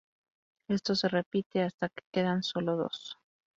Esto se repite hasta que quedan solo dos.